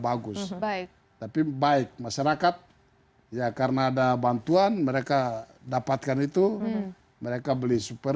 bagus baik tapi baik masyarakat ya karena ada bantuan mereka dapatkan itu mereka beli super